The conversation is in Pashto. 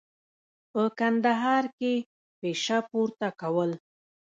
په کندهار کې پشه پورته کول.